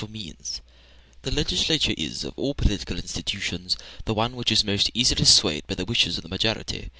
] The legislature is, of all political institutions, the one which is most easily swayed by the wishes of the majority.